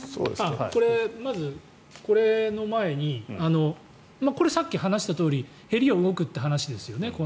これ、まずこの前にこれはさっき話したとおりへりを動くという話ですよね。